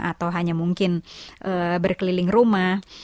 atau hanya mungkin berkeliling rumah